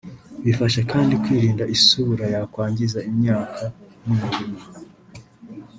Bifasha kandi kwirinda isuri yakwangiza imyaka n’imirima